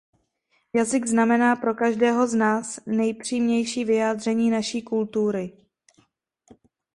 Jazyk znamená pro každého z nás nejpřímější vyjádření naší kultury.